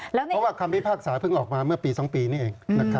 เพราะว่าคำพิพากษาเพิ่งออกมาเมื่อปี๒ปีนี่เอง